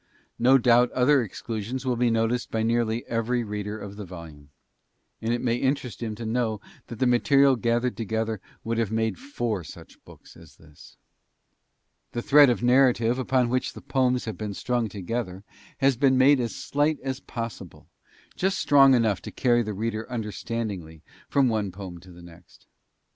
No doubt other exclusions will be noticed by nearly every reader of the volume and it may interest him to know that the material gathered together would have made four such books as this. The thread of narrative upon which the poems have been strung together has been made as slight as possible, just strong enough to carry the reader understandingly from one poem to the next.